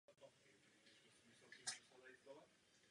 Tato jména jsem si sám vymyslel.